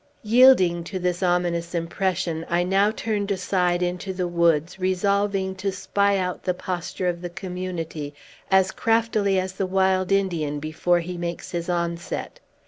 Yielding to this ominous impression, I now turned aside into the woods, resolving to spy out the posture of the Community as craftily as the wild Indian before he makes his onset.